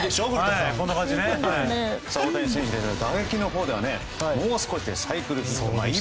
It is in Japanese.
大谷選手は打撃のほうではもう少しでサイクルヒットでした。